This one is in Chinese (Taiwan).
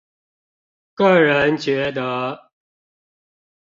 個人覺得